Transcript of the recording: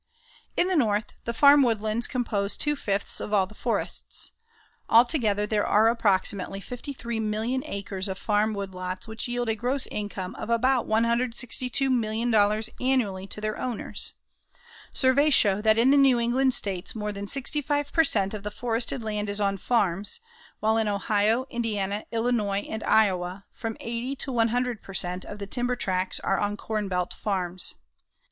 In the North, the farm woodlands compose two fifths of all the forests. Altogether there are approximately 53,000,000 acres of farm woodlots which yield a gross income of about $162,000,000 annually to their owners. Surveys show that in the New England States more than 65 per cent. of the forested land is on farms, while in Ohio, Indiana, Illinois and Iowa from 80 to 100 per cent. of the timber tracts are on corn belt farms.